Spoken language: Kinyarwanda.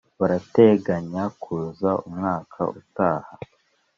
barateganya kuza umwaka utahaa